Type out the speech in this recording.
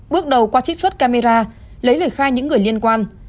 bước đầu qua trích xuất camera lấy lời khai những người liên quan